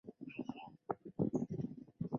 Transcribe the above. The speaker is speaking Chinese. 黄应士则是接纳他转读传理系的面试官。